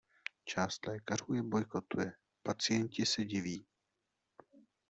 Část lékařů je bojkotuje, pacienti se diví.